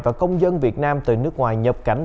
và công dân việt nam từ nước ngoài nhập cảnh